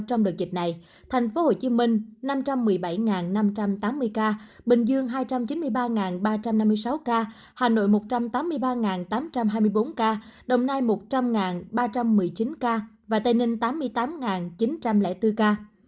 trong đợt dịch này tp hcm năm trăm một mươi bảy năm trăm tám mươi ca bình dương hai trăm chín mươi ba ba trăm năm mươi sáu ca hà nội một trăm tám mươi ba tám trăm hai mươi bốn ca đồng nai một trăm linh ba trăm một mươi chín ca và tây ninh tám mươi tám chín trăm linh bốn ca